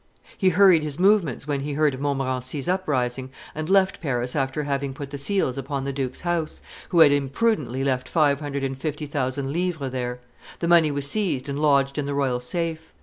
He hurried his movements when he heard of Montmorency's uprising, and left Paris after having put the seals upon the duke's house, who had imprudently left five hundred and fifty thousand livres there; the money was seized and lodged in the royal safe.